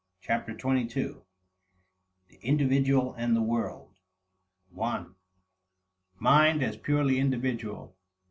Chapter Twenty two: The Individual and the World 1. Mind as Purely Individual.